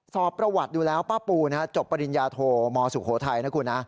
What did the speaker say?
สอบประวัติดูแล้วป้าปูจบปริญญาโทมสุโขทัยนะคุณนะ